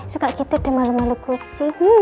suka gitu deh malu malu kucing